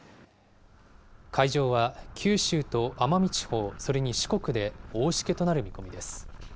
海上は九州と奄美地方、それに四国で大しけとなる見込みです。